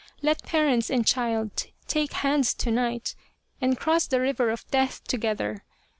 Let parents and child take hands to night and cross the river of death together.